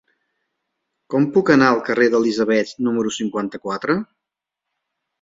Com puc anar al carrer d'Elisabets número cinquanta-quatre?